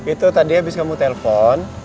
itu tadi habis kamu telpon